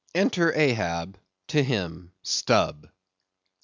Enter Ahab; to Him, Stubb.